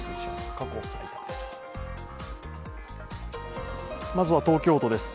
過去最多です。